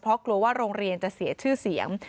เพราะกลัวว่าโรงเรียนจะเสียชื่อเสียง